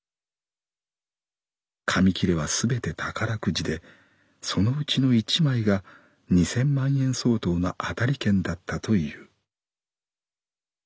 紙きれは全て宝くじでそのうちの一枚が二千万円相当の当たり券だったという」。